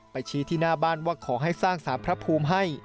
ชี้ที่หน้าบ้านว่าขอให้สร้างสารพระภูมิให้